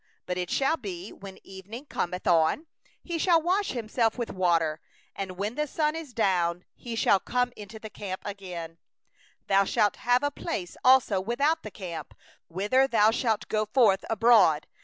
12But it shall be, when evening cometh on, he shall bathe himself in water; and when the sun is down, he may come within the camp. 13Thou shalt have a place also without the camp, whither thou shalt go forth abroad.